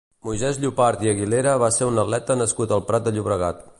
Moisès Llopart i Aguilera va ser un atleta nascut al Prat de Llobregat.